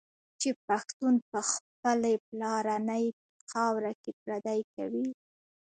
چي پښتون په خپلي پلرنۍ خاوره کي پردی کوي